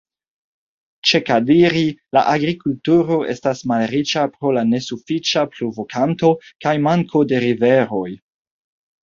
Ĉe Kadiri la agrikulturo estas malriĉa pro la nesufiĉa pluvokanto kaj manko de riveroj.